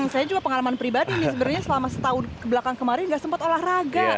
saya juga pengalaman pribadi nih sebenarnya selama setahun kebelakang kemarin gak sempat olahraga